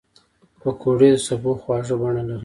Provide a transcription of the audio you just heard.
پکورې د سبو خواږه بڼه لري